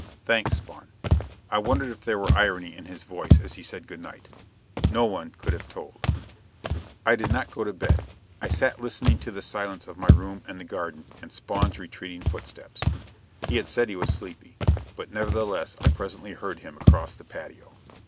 "Thanks, Spawn." I wondered if there were irony in his voice as he said good night. No one could have told. I did not go to bed. I sat listening to the silence of my room and the garden, and Spawn's retreating footsteps. He had said he was sleepy, but nevertheless I presently heard him across the patio.